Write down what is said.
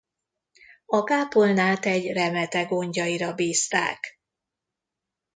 A kápolnát egy remete gondjaira bízták.